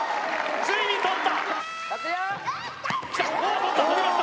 ついに取ったきた！